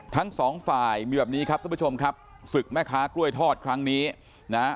ทั้งสองฝ่ายมีแบบนี้ครับทุกผู้ชมครับศึกแม่ค้ากล้วยทอดครั้งนี้นะฮะ